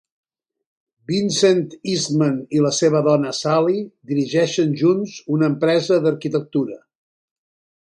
Vincent Eastman i la seva dona, Sally, dirigeixen junts una empresa d'arquitectura.